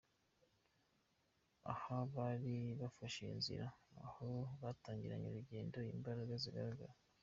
Aha bari bafashe inzira, aho batangiranye urugendo imbaraga zigaragara.